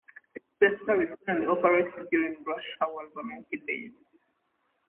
The express service only operates during rush hours on weekdays.